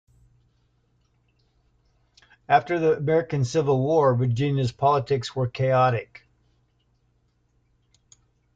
After the American Civil War, Virginia's politics were chaotic.